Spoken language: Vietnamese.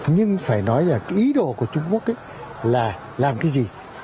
nhưng phải nói là ý đồ của trung quốc là làm cái gì